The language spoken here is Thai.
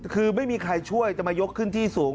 คือไม่มีใครช่วยจะมายกขึ้นที่สูง